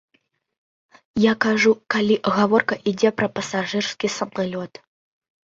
Я кажу, калі гаворка ідзе пра пасажырскі самалёт.